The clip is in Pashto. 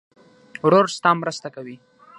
ورور ستا مرسته کوي.